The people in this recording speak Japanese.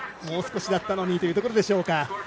もう少しだったのにというところでしょうか。